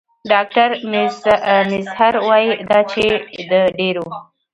ډاکټر میزهر وايي دا چې د ډېرو